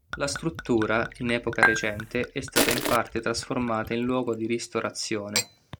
La struttura, in epoca recente, è stata in parte trasformata in luogo di ristorazione.